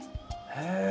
へえ。